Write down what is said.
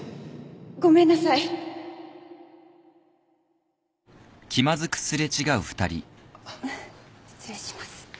ごめんなさい失礼します。